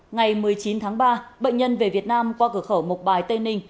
ngày một mươi chín tháng ba bệnh nhân về việt nam qua cửa khẩu mộc bài tây ninh